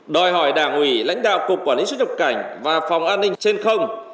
đòi hỏi đảng ủy lãnh đạo cục quản lý xuất nhập cảnh và phòng an ninh trên không